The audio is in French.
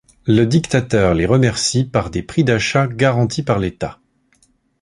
Le dictateur les remercie par des prix d'achat garantis par l'État.